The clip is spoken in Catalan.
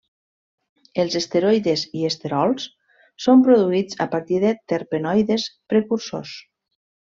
Els esteroides i esterols són produïts a partir de terpenoides precursors.